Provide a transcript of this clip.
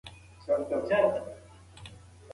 تاسو کولای شئ چې وچې مېوې په سفر کې له ځان سره ولرئ.